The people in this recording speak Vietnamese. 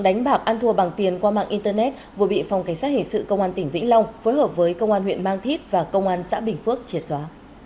đánh bạc ăn thua bằng tiền qua mạng internet vừa bị phòng cảnh sát hình sự công an tỉnh vĩnh long phối hợp với công an huyện mang thít và công an xã bình phước triệt xóa